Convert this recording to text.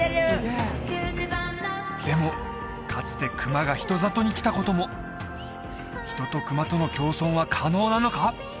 でもかつて熊が人里に来たことも人と熊との共存は可能なのか？